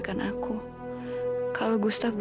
yang penuh gimana itu